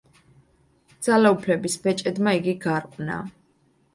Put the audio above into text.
ძალაუფლების ბეჭედმა იგი გარყვნა.